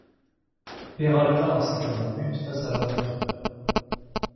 Peralta inscrit un but face à la Hongrie.